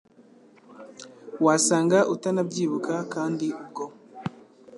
Wasanga utanabyibuka kandi ubwo